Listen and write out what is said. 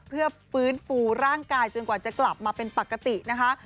เพื่อฟื้นฟูร่างกายจนกว่าจะกลับมาเป็นปกตินะคะ